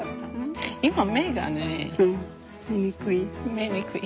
見にくい？